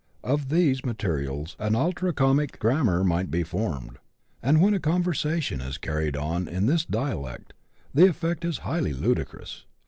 Of these materials an ultra comic grammar might be formed ; and when a conversation is carried on in this dialect, the effect is highly ludicrous.